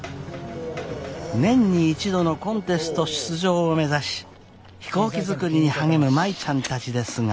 年に１度のコンテスト出場を目指し飛行機作りに励む舞ちゃんたちですが。